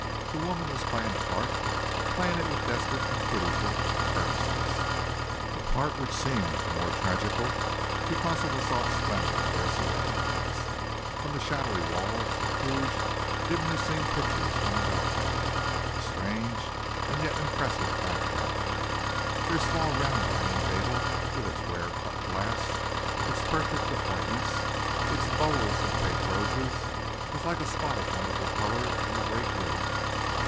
The woman was playing a part, playing it with desperate and pitiful earnestness, a part which seemed the more tragical because of the soft splendour of their surroundings. From the shadowy walls, huge, dimly seen pictures hung about them, a strange and yet impressive background. Their small round dining table, with its rare cut glass, its perfect appointments, its bowls of pink roses, was like a spot of wonderful colour in the great room.